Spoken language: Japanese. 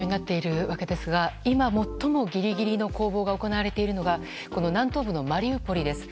各地で凄惨な状況になっているわけですが今、最もギリギリの攻防が行われているのが南東部のマリウポリです。